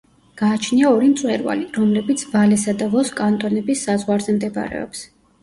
გააჩნია ორი მწვერვალი, რომლებიც ვალესა და ვოს კანტონების საზღვარზე მდებარეობს.